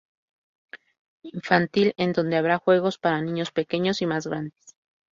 Infantil en donde habrá juegos para niños pequeños y más grandes.